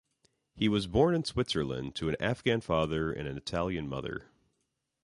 He was born in Switzerland to an Afghan father and an Italian mother.